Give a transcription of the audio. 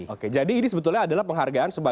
oke jadi ini sebetulnya adalah penghargaan yang salah